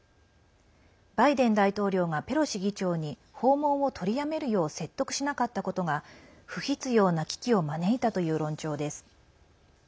バイデン大統領がペロシ議長に訪問を取りやめるよう説得しなかったことが不必要な危機を招いたという論調です。